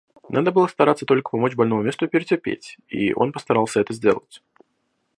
Надо было стараться только помочь больному месту перетерпеть, и он постарался это сделать.